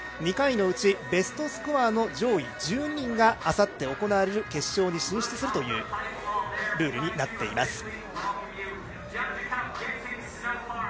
２回のうち、ベストスコアの上位１２人があさって行われる決勝に進出するというルールになっています。